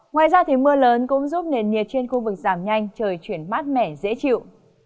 ngoài ra mưa lớn cũng giúp nền nhiệt trên khu vực giảm nhanh trời chuyển mát mẻ dễ chịu